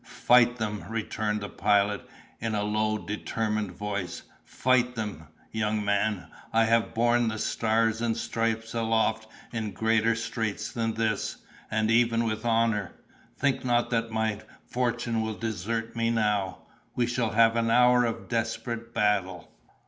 "Fight them!" returned the Pilot, in a low, determined voice; "fight them! Young man, I have borne the stars and stripes aloft in greater straits than this, and even with honor! Think not that my fortune will desert me now." "We shall have an hour of desperate battle!"